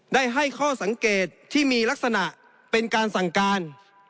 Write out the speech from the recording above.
ได้ให้ข้อสังเกตที่มีลักษณะเป็นการสั่งการ